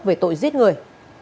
về tội giết người